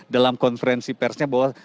dalam konferensi persnya bahwa